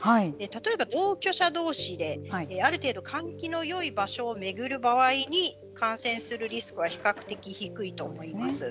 例えば同居者どうしである程度換気のよい場所を巡る場合に感染するリスクは比較的低いと思います。